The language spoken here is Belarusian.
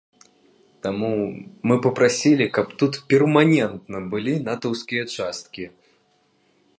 Таму мы папрасілі, каб тут перманентна былі натаўскія часткі.